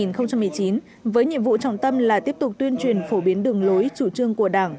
năm hai nghìn một mươi chín với nhiệm vụ trọng tâm là tiếp tục tuyên truyền phổ biến đường lối chủ trương của đảng